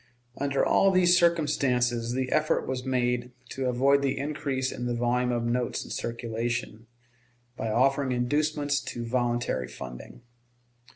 Under all these circumstances the effort was made to avoid the increase in the volume of notes in circulation, by offering inducements to voluntary funding.